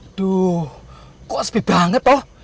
aduh kok sepi banget oh